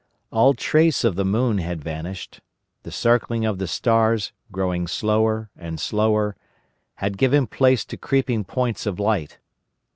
All trace of the moon had vanished. The circling of the stars, growing slower and slower, had given place to creeping points of light.